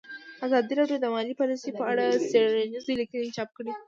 ازادي راډیو د مالي پالیسي په اړه څېړنیزې لیکنې چاپ کړي.